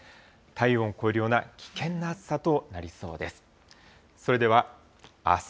体温を超えるような危険な暑さとなりそうです。